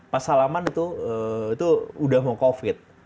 pas salaman itu udah mau covid